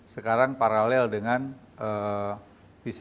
sekarang paralel dengan covid sembilan belas